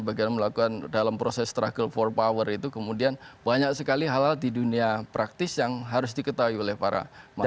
bagaimana melakukan dalam proses struggle for power itu kemudian banyak sekali hal hal di dunia praktis yang harus diketahui oleh para masyarakat